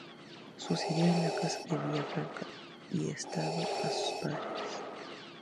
Sucedió en la Casa de Villafranca y estado a sus padres.